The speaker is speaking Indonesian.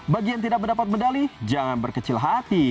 bagi yang tidak mendapat medali jangan berkecil hati